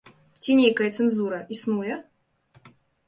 Ці нейкая цэнзура існуе?